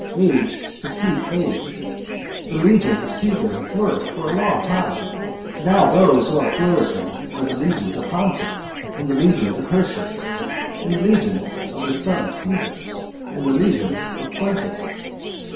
Age succeeds age. The legions of Caesar have flourished for a long time; but now those who are flourishing are the legions of Pansa, and the Legions of Hirtius, and the legions of the son of Caesar, and the legions of Plancus.